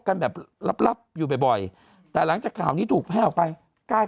กันแบบลับลับอยู่บ่อยบ่อยแต่หลังจากข่าวนี้ถูกแพร่ออกไปกลาย